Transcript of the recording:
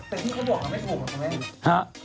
แต่ที่เขาบอกแล้วไม่ถูกหรอเขาแม่